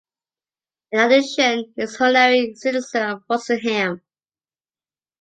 In addition, he is an honorary citizen of Rosenheim.